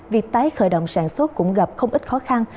việc tái khởi động sản xuất cũng gặp không ít khó khăn